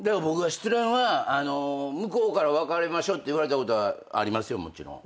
向こうから別れましょって言われたことはありますよもちろん。